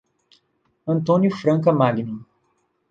Antônio Franca Magno